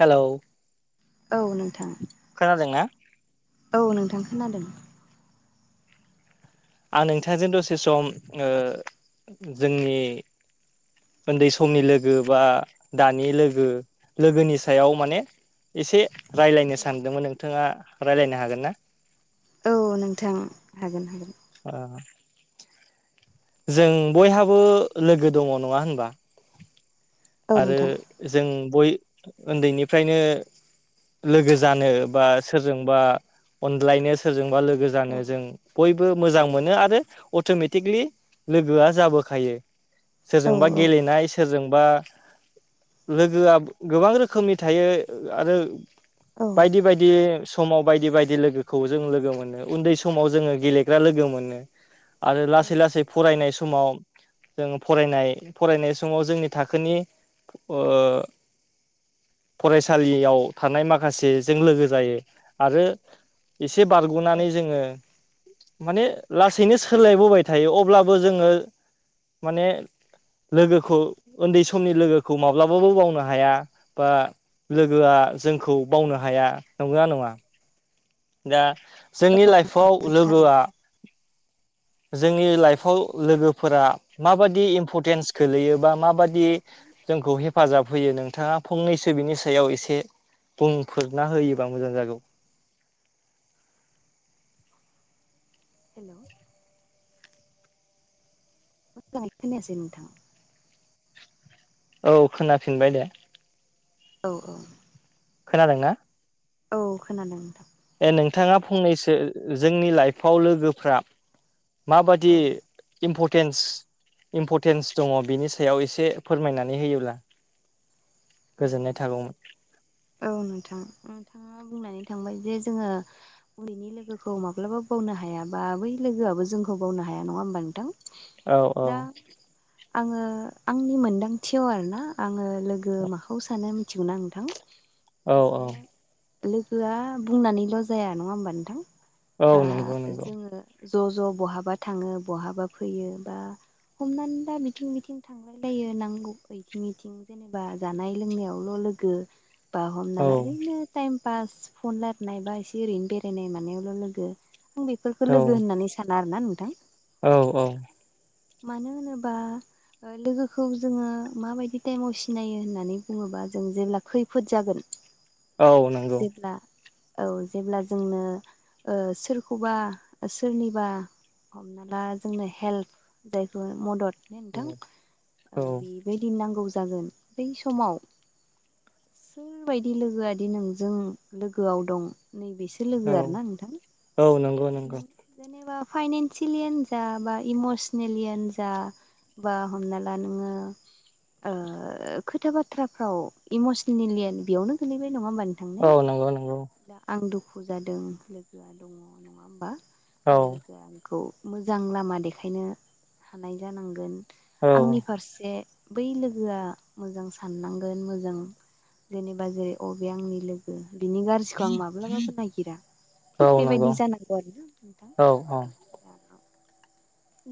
Hello. औ नोंथां। खोनादों ना? औ नोंथां खोनादों। आं नोंथांजों दसे सम ओ जोंनि उन्दै समनि लोगो बा दानि लोगो लोगोनि सायाव माने एसे रायज्लायनो सानदोंमोन। नोंथाङा रायज्लायनो हागोन ना? औ नोंथां हागोन हागोन। अ'। जों बयहाबो लोगो दङ नङा होनबा। औ आरो नोंथां जों उन्दैनिफ्रायनो लोगो जानो बा सोरजोंबा अन्लायनो सोरजोंबा लोगो औ जानो जों बयबो मोजां मोनो आरो अट'मेटिकलि लोगोआ जाबोखायो सोरजोंबा औ गेलेनाय सोरजोंबा लोगोआ गोबां रोखोमनि थायो। आरो औ बायदि बायदि बायदि समाव बायदि बायदि लोगोखौ जों लोगो मोनो उन्दै समाव जोङो गेलेग्रा लोगो मोनो आरो लासै लासै ओ फरायसालियाव थानाय माखासेजों लोगो जायो आरो एसे बारग'नानै जोंङो माने लासैनो सोलायबोबाय थायो अब्लाबो जोंङो। माने लोगोखौ ओन्दै [unintelligible] समनि लोगोखौ माब्लाबाबो बावनो हाया बा लोगोआ जोंखौ बावनो हाया नंगौना नङा। दा जोंनि लाइफआव लोगोआ थारैनो जोंनि लाइफआव लोगोफोरा माबाददि इम्परटेन्स खोलैयो बा माबादि जोंखौ हेफाजाब होयो नोंथांङा फंनैसो बिनि सायाव एसे बुंफोरना होयोबा मोजां जागौ हेलौ मोजांङै खोनायासै नोंथां। औ खोनाफिनबाय दे। औ औ खोनादोंना? औ खोनादों नोंथां। ए नोंथांङा फंनैसो जोंनि लाइफआव लोगोफ्रा औ माबादि इम्पटेन्स इम्पटेन्स दंङ बेनि सायाव एसे फोरमायनानै होयोब्ला गोजोननाय थागौमोन [unintelligible] औ नोंथां नोंथांङा बुंनानै थांबाय जे जोंङो उन्दैनि लोगोखौ माब्लाबो बावनो हाया बा बै लोगोआबो जोंखौ बावनो हाया नंङा होमबा नोंथां? औ औ दा आंङो आंनि मोनदांथियाव आरोना आंङो लोगो मा खौ सानो मिथिगौना नोंथां औ जे औ लोगोआ बुंनानैल' जाया नंङा होमबा नोंथां औ बा नंगौ नंगौ जोंङो ज' ज' बहाबा थांङो बहाबा फैयो बा हमनानै दा बिथिं बिथिं थांलाय लायो नांगौ फै थिंनिथिं जेनेबा जा नाय लोंनायल' लोगो बा हमना औ ला ओरैनो टाइम पास फन लारायनाय बा एसे ओरैनो बेरायनाय मानायावल' लोगो आं बेफोरखौ औ लोगो होननानै साना आरो ना नोंथां। औ औ मानो होनोबा ओ लोगोखौ जोंङो माबायदि टाइमाव सिनायो होन नानै बुंङोबा जों जेब्ला खैफोद जागोन औ नंगौ जेब्ला औ जेब्ला जोंनो ओ सोरखौबा सोरनिबा हमना ला जोंनो हेल्प जायखौ मदद माने औ नोंथां ओ औ बेबायदि नांगौ जागोन बै समाव सोरबायदि लोगो आदि नोंजों लोगोआव दं नैबेसो लोगो आरोना नोंथां औ नंगौ नंगौ नों जेनेबा फाइनेन्सियेलियानो जा बा इमस्नेलियानो जा बा हमना ला नोंङो ओ खोथा बाथ्राफ्राव इमस्नेलियानो बेयावनो गोलैबाय नंङा होमबा नोंथां ने? औ नंगौ नंगौ दा आं दुखु जादों लोगोआ दंङ नंङा होमबा दा औ लोगो आ खौ मोजां लामा देखायनो हानाय जानांगोन औ आंनि फारसे बै लोगोआ मोजां साननांगोन मोजां जेनेबा जेरै अबे आंनि लोगो बिनि गा ज्रिखौ आं माब्लाबाबो नायगिरा औ थिक नंगौ बेबायदि जानांगौ आरोना नोंथां। औ औ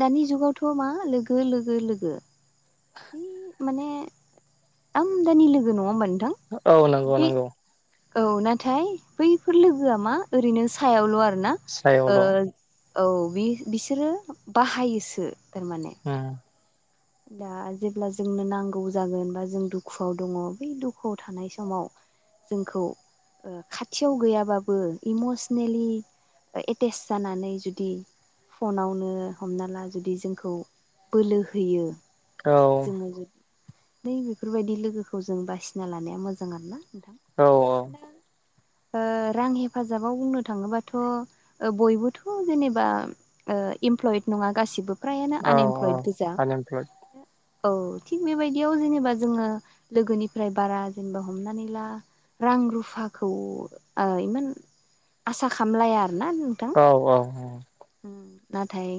दानि जुगावथ' मा लोगो लोगो लोगो इ माने आमदानि लोगो नंङा होमबा नोंथां? औ नोंगौ बे नोंगौ। औ नाथाय बैफोर लोगोआ मा ओरैनो सायावल' आरोना सायावल' ओ औ बि बिसोरो बाहायोसो थारमाने ओम। दा जेब्ला जोंनो नांगौ जागोन बा जों दुखुआव दंङ बै दुखुआव थानाय समाव जोंखौ ओ खाथियाव गैयाबाबो इमसिनेलि ओ एटेस जानानै जुदि फनावनो हमना ला जुदि जोंखौ बोलो होयो। औ जोंङो जु दि बेफोरबायदि लोगोखौ जों बासिना लानाया मोजां आरो ना। नोंथां औ दा ओ रां हेफाजाबाव बुंनो थांङोबाथ ओ बयबोथ' जेनेबा ओ इमप्लयेड नंङा गासिबो। फ्रायानो औ औ आनएमप्लयद गोजा। [inaudible] औ थिग बेबायदियाव जेनेबा जोंङो लोगोनिफ्राय बारा जेनेबा हमनानै ला रां रुफाखौ ओ इमान आसा खालामलाया आरोना जों औ-औ-औ। ओम नाथाय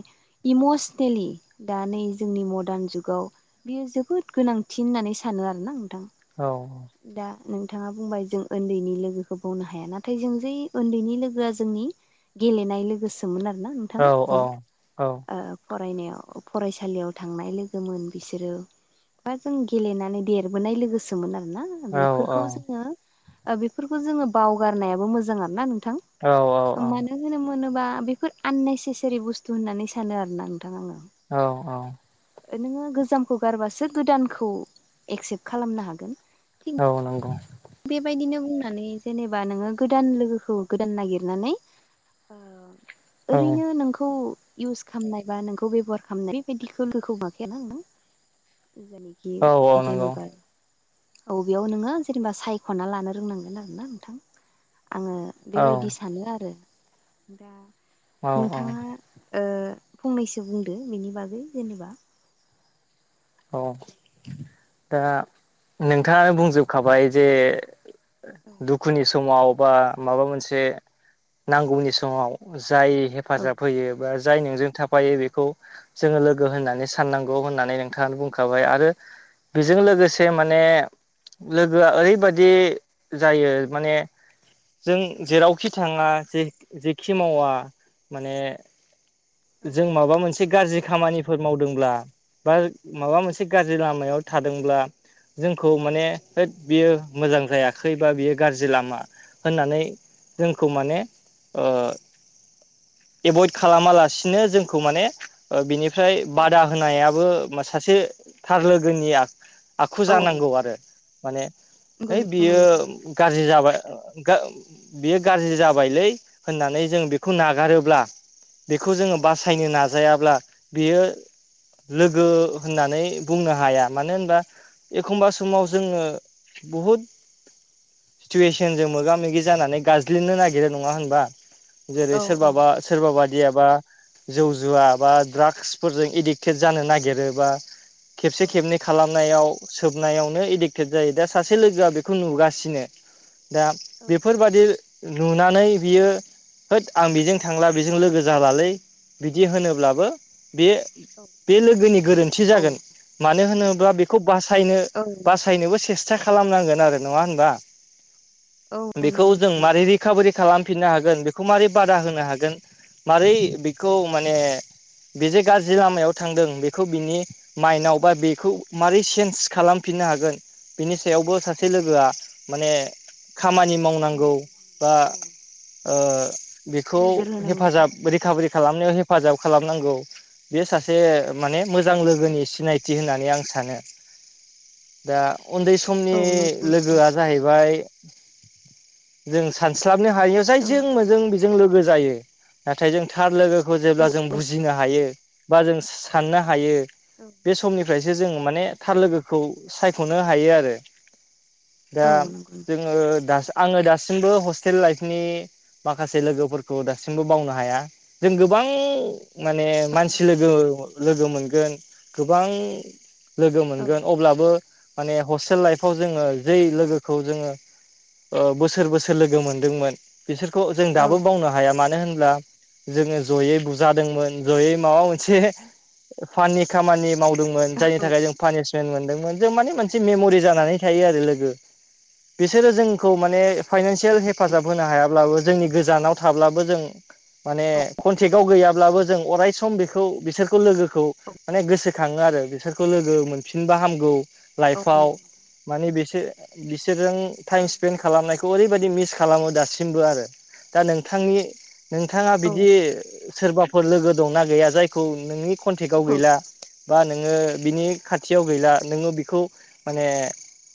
इमसिनेलि दा नै जोंनि मदान जुगाव बियो जोबोद गोनांथि होननानै सानो आरोना नोंथां। औ-औ। दा नोंथांआ बुंबाय जों उन्दैनि लोगोखौ बावनो हाया नाथाय जों जे उन्दैनि लोगोआ जोंनि गेलेनाय लोगोसोमोन आरोना नोंथां औ जों औ ओ फरायनायाव फरायसालियाव थांनाय लोगोमोन बिसोरो बा जों गेलेनानै देरबोनाय लोगोसोमोन आरोना। औ बेफोरखौ औ जोंङो ओ बेफोरखौ जोंङो बावगारनायाबो मोजां आरो ना नोंथां? औ-औ-औ। जोनोम होनोबा बेफोर आननेसेसारि बुस्थु होननानै सानो आरो ना नोंथां आंङो। औ-औ। ओ नोंङो गोजामखौ गारबासो गोदानखौ एक्सेप्ट खालामनो हागोन। औ नंगौ। बेबायदिनो बुंनानै जेनेबा नोंङो गोदान लोगोखौ गोदान नागिरनानै ओ औ ओरैनो नोंखौ इउस खालामनाय बा नोंखौ बेब'हार खालामनाय बेबायदि लोगोखौ मोखांबायना नों? औ औ नंगौ जेनेबा अबेयाव नोंङो जेनेबा साइ ख'ना लानो रोंनांगोन आरोना नोंथां आंङो औ बेबायदि सानो आरो। दा औ नोंथांआ ओ फंनैसो बुंदो बेनि बागै जेनेबा ओ दा नोंथांआनो बुंजोबखाबाय जे औ दुखु नि समाव बा माबा मोनसे नांगौनि समाव जाय औ हेफाजाब होयो बा जाय नोंजों थाफायो बेखौ जोंङो लोगो होननानै साननांगौ होननानै नों थांआनो बुंखाबाय आरो बेजों लोगोसे माने लोगोआ ओरैबायदि जायो माने जों जेरावखि थांङा जेखि मावा माने औ जों माबा मोनसे गाज्रि खामानि फोर मावदोंब्ला बा माबा मोनसे गाज्रि लामायाव थादोंब्ला जोंखौ माने होद बियो मोजां जायाखै बा बियो गाज्रि लामा होननानै जोंखौ माने ओ एभयड खालामालासिनो जोंखौ माने बिनिफ्राय औ बादा होनायाबो सासे थार लोगोनि आखु औ जानांगौ आरो माने नंगौ है नोंथां बियो नंगौ थारैनो गाज्रि जाबाय गो बेयो गाज्रि जाबायलै होननानै जों बेखौ नागारोब्ला बेखौ जोंङो औ बासायनो नाजायाब्ला बेयो लोगो होननानै बुंनो हाया। मानो होनबा एखमबा समाव जोंङो बुहुद सिटुवेसनजों मोगा-मोगि जानानै गाज्लिनो नागिरो नङा होनबा। जेरै- औ औ सोरबाबा सोरबा बादिया बा जौ जुवा, बा द्राग्सफोरजों एदिक्टेड जानो नागिरो, बा खेबसे औ खेबनै खालामनायाव सोबनायावनो एडिक्टेड जायो दा सासे लोगोआ बेखौ नुगासिनो। दा बेफोरबादि। नुनानै बियो होथ आं बेजों थांला बेजों लोगो। जालालै बिदि होनोब्लाबो बे बे लोगोनि गोरोन्थि औ जागोन। मानो होनोब्ला बेखौ बासायनो औ बासायनोबो सेस्था। खालामनांगोन आरो नङा होनबा? औ बेखौ नंगौ जों मारै रिकभारि खालामफिननो हागोन बेखौ मारै बादा होनो हागोन मारै बेखौ माने बेजे गाज्रि लामायाव थांदों। बेखौ बिनि माइन्दआवबा बेखौ मारै चेन्ज खालामफिननो हागोन बिनि सायावबो सासे लोगोआ माने खामानि मावनो नोजोर औ। ओ बेखौ नोजोर होनांगौ हेफाजाब रिकभारि खालामनायाव हेफाजाब खालामनांगौ। बेयो सासे माने मोजां लोगोनि सिनायथि होननानै आं सानो। दा उन्दै सम औ समनि नोजोर लोगोआ जाहैबाय जों सानस्लाबनो हायैयाव जायजों मोजों बेजों लोगो जायो। नाथाय जों थार लोगो खौ जेब्ला जों बुजिनो हायो, बा जों साननो हायो, औ। बे समनिफ्रायसो जों माने थार लोगोखौ सायख'नो हायो आरो। होनांगौ औ दा नों जोङो आङो दासिमबो हस्टेल लाइफनि माखासे लोगोफोरखौ दासिमबो बावनो हाया। जों गोबां माने मानसि लोगो लोगो मोनगोन। गोबां लोगो औ नंगौ नोंथां मोनगोन अब्लाबो माने हस्टेल लाइफआव जोङो जै लोगोखौ जोङो बोसोर बोसोर लोगो मोनदोंमोन, बिसोरखौ जों औ दाबो बावनो हाया। मानो होनब्ला जोङो जयै बुजादोंमोन, जयै माबा मोनसे फाननि खामानि मावदोंमोन जायनि थाखाय जों पानिसमेन्ट मोनदोंमोन जों मानि मोनसे मेम'रि जानानै थायो आरो लोगो। बिसोरो जों खौ माने फाइनान्सियेल हेफाजाब होनो हायाब्लाबो जोंनि गोजानाव थाब्लाबो जों माने कनटेकआव गैयाब्लाबो जों अराय सम बेखौ बिसोरखौ लोगो खौ औ माने गोसो‌ खाङो आरो बिसोरखौ लोगो मोनफिनबा हामगौ औ लाइफआव नंगौ नोंथां माने बिसोर बिसोरजों टाइम स्पेन्ड खालामनायखौ ओरैबायदि मिस खालामो दासिमबो आरो। दा नोंथांनि नोंथाङा औ बिदि सोरबाफोर लोगो दंना गैया जायखौ नोंनि कन्टेक्टआव औ गैला। बा नोङो बिनि खाथियाव गैला। नोङो बेखौ माने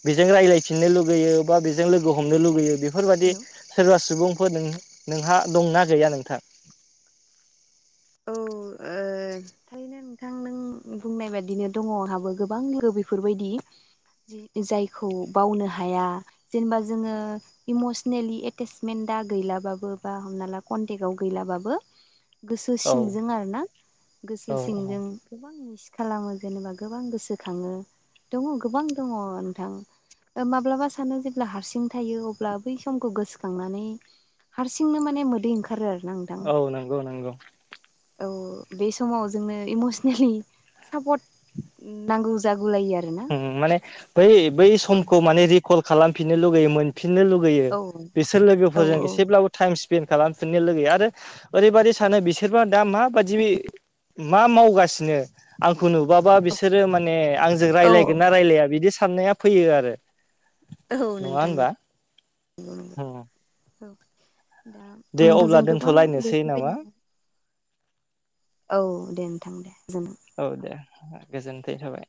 बेजों रायज्लायफिननो लुगैयो, बा बिजों जों लोगो हमनो लुुबैयो। बेफोरबायदि हेलौ सोरबा सुबुंफोर नों नोंहा दंना गैया नोंथां? औ। ओ थारैनो नोंथां नों बुंनाय बादिनो दङ आहाबो गोबां लोगो बेफोरबायदि। जायखौ बावनो हाया। जेनेबा जोङो इमसनेलि एटेसमेन्टा गैलाबाबो, बा हमना ला कन्टेकआव गैलाबाबो गोसो औ सिंजों आरोना, गोसो औ सिंजों गोबां मिस खालामो जेनेबा गोबां गोसोखाङो, दङ गोबां दङ नोंथां। माब्लाबा सानो जेब्ला हारसिं थायो अब्ला बै समखौ गोसोखांनानै हारसिंनो माने मोदै ओंखारो आरोना आं। औ नंगौ नंगौ। औ बे समाव जोंनो इमसनेलि सापर्ट नांगौ जागुलायो आरो। ओ माने बै बै समखौ माने रिकल खालामफिननो लुगैयोमोन फिननो लुगैयो औ बिसोर औ लोगोफोरजों एसेब्लाबो टाइम स्पेन्ड खालामफिननो लुगैयो आरो ओरैबायदि सानो बिसोरबा दा माबायदि मा मावगासिनो? आंखौ नुबाबा बिसोरो माने आंजों औ रायज्लायगोन ना रायलाया बिदि साननाया फैयो आरो औ नङा नोंथां होनबा नंगौ नंगौ औ। दा दे आं अब्ला जों गोबां दोनथ'लायनोसै नामा? बेफोरबायदिनो औ दे नोंथां दे बुं। औ दे गोजोनथि थाबाय।